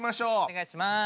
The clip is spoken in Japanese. お願いします。